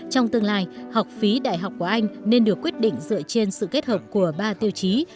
trong tương lai học phí đại học của anh nên được quyết định dựa trên sự kết hợp của ba tiêu chí